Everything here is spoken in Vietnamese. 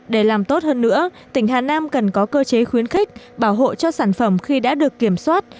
để làm tốt hơn nữa tỉnh hà nam cần có cơ chế khuyến khích bảo hộ cho sản phẩm khi đã được kiểm soát